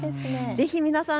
ぜひ皆さん